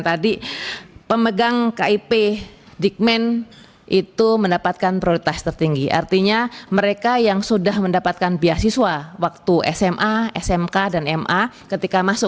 apakah mas menteri tidak tahu